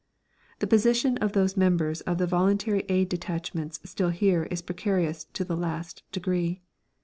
The position of those members of the Voluntary Aid Detachments still here is precarious to the last degree.